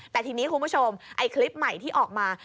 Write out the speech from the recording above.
แต่ทีนี้คุณผู้ชมไอ้คลิปใหม่ที่ออกมา